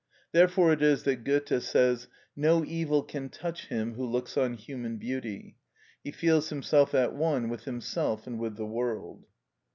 Therefore it is that Goethe says: "No evil can touch him who looks on human beauty; he feels himself at one with himself and with the world."